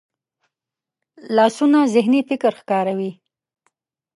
لاسونه ذهني فکر ښکاروي